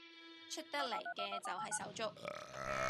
出得嚟嘅就係手足